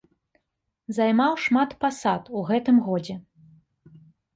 Займаў шмат пасад у гэтым годзе.